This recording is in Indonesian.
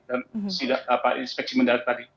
dalam sidak inspeksi mendalaman tadi